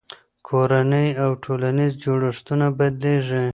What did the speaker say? کورنۍ او ټولنیز جوړښتونه بدلېږي.